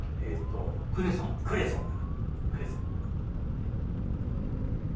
クレソンクレソンだ。